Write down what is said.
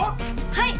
はい！